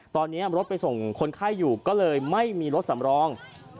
ตอนนี้รถไปส่งคนไข้อยู่ก็เลยไม่มีรถสำรอง